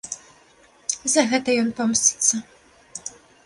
За гэта ён помсціцца.